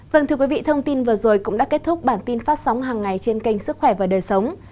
vâng thưa quý vị thông tin vừa rồi cũng đã kết thúc bản tin phát sóng hàng ngày trên kênh sức khỏe và đời sống